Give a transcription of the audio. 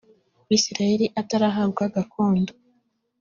bisirayeli atarahabwa gakondo